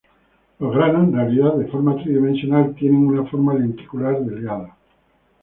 Los granos, en realidad de forma tridimensional, tienen una forma lenticular delgada.